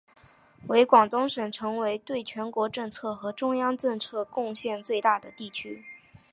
与广东省成为对全国财政和中央财政贡献最大的地区。